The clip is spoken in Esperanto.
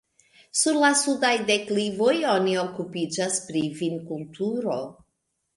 Sur la sudaj deklivoj oni okupiĝas pri vinkulturo.